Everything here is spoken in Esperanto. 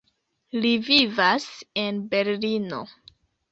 Li vivas en Berlino.